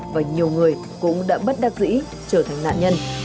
và nhiều người cũng đã bất đắc dĩ trở thành nạn nhân